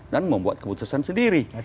dan membuat keputusan sendiri